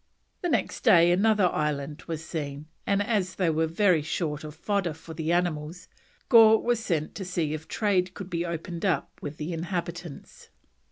The next day another island was seen, and as they were very short of fodder for the animals, Gore was sent to see if trade could be opened up with the inhabitants.